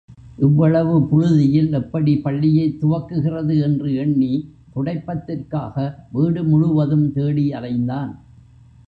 இவ்வளவு புழுதியில் எப்படி பள்ளியைத் துவக்குகிறது என்று எண்ணி, துடைப்பத்திற்காக, வீடு முழுவதும் தேடி அலைந்தான்.